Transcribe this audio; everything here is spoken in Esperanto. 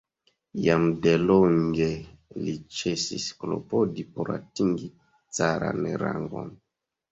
Jam delonge li ĉesis klopodi por atingi caran rangon.